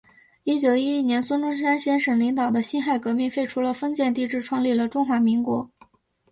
一九一一年孙中山先生领导的辛亥革命，废除了封建帝制，创立了中华民国。